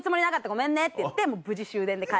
ごめんね」っていって無事終電で帰る。